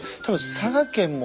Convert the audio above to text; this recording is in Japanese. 佐賀県に。